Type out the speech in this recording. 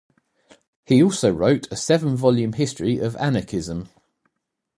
He also wrote a seven volume history of anarchism.